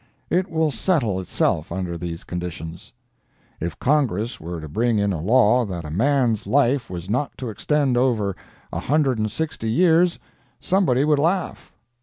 "It will settle itself under these conditions. If Congress were to bring in a law that a man's life was not to extend over a hundred and sixty years, somebody would laugh.